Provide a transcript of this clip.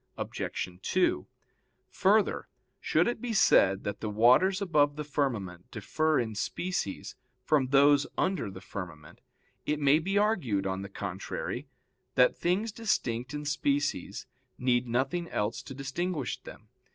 Obj. 2: Further, should it be said that the waters above the firmament differ in species from those under the firmament, it may be argued, on the contrary, that things distinct in species need nothing else to distinguish them.